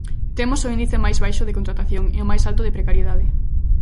Temos o índice máis baixo de contratación e o máis alto de precariedade.